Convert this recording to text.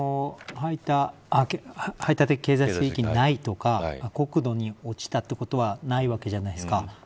実際に排他的経済水域内とか国土に落ちたということはないわけじゃないですか。